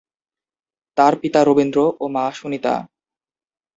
তার পিতা রবীন্দ্র ও মা সুনিতা।